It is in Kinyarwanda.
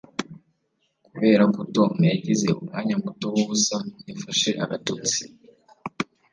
Kubera ko Tom yagize umwanya muto wubusa, yafashe agatotsi.